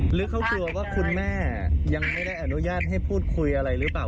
หรือเขากลัวว่าคุณแม่ยังไม่ได้อนุญาตให้พูดคุยอะไรหรือเปล่า